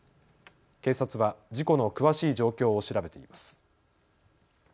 警察は事故の詳しい状況を調べています。